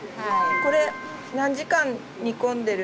これ何時間煮込んでるんですか？